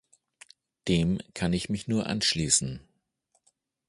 Dem kann ich mich nur anschließen.